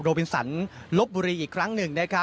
บินสันลบบุรีอีกครั้งหนึ่ง